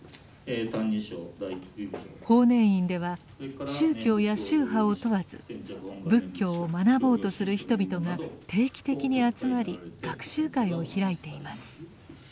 法然院では宗教や宗派を問わず仏教を学ぼうとする人々が定期的に集まり学習会を開いています。